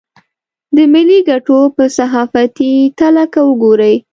د ملي ګټو په صحافتي تله که وګوري.